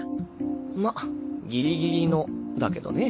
まギリギリのだけどね。